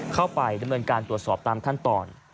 เข้าไปดำเนินการตรวจสอบตามขั้นตอน